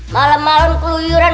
malem malem keluyuran